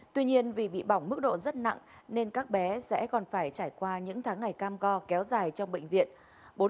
tuy nhiên vì bị bỏng mức độ rất nặng nên các bé sẽ còn phải trải qua những tháng ngày cam co kéo dài trong bệnh viện